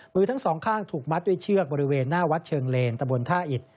มือทั้งสองข้างถูกมัดด้วยเชือกบริเวณหน้าวัดเชิงเลนตะบนท่าอิด